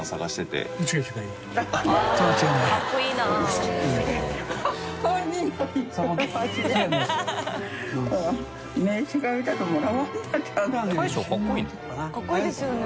かっこいいですよね。